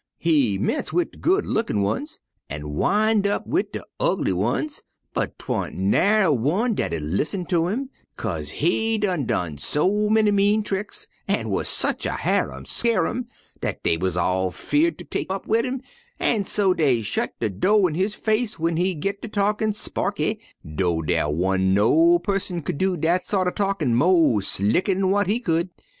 He 'mence wid de good lookin' ones an' wind up wid de ugly ones, but 'twan't nair' one dat 'ud lissen to 'im, 'kase he done done so many mean tricks an' wuz sech a hyarum skyarum dat dey wuz all 'feared ter tek up wid 'im, an' so dey shet de do' in his face w'en he git ter talkin' sparky, dough dar wan't no pusson cu'd do dat sort er talkin' mo' slicker 'n w'at he cu'd.